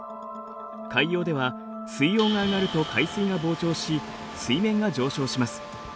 海洋では水温が上がると海水が膨張し水面が上昇します。